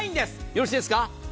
よろしいですか？